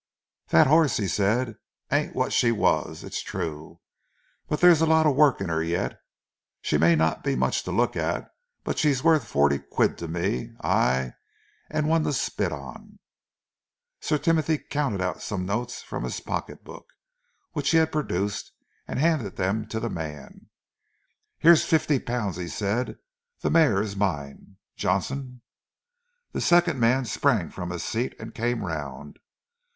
"That 'oss," he said, "ain't what she was, it's true, but there's a lot of work in 'er yet. She may not be much to look at but she's worth forty quid to me ay, and one to spit on!" Sir Timothy counted out some notes from the pocketbook which he had produced, and handed them to the man. "Here are fifty pounds," he said. "The mare is mine. Johnson!" The second man sprang from his seat and came round.